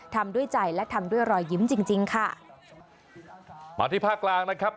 ทำด้วยใจและทำด้วยรอยยิ้มจริงจริงค่ะมาที่ภาคกลางนะครับ